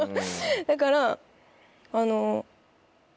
だからあの。